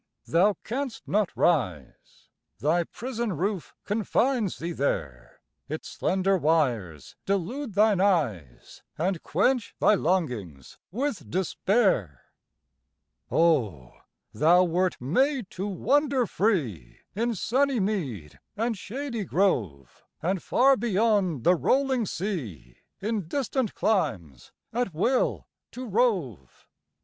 Thou canst not rise: Thy prison roof confines thee there; Its slender wires delude thine eyes, And quench thy longings with despair. Oh, thou wert made to wander free In sunny mead and shady grove, And far beyond the rolling sea, In distant climes, at will to rove!